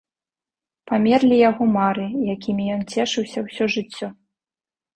Памерлі яго мары, якімі ён цешыўся ўсё жыццё.